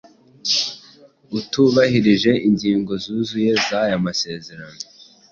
utubahirije ingingo zuzuye zaya masezerano